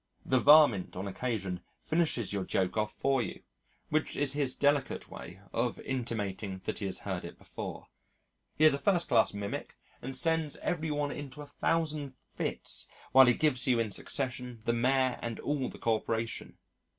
The varmint on occasion finishes your joke off for you, which is his delicate way of intimating that he has heard it before. He is a first class mimic, and sends every one into a thousand fits while he gives you in succession the Mayor and all the Corporation.